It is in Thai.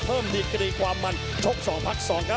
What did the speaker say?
เพิ่มดีกระดีกว่ามันชก๒พัก๒ครับ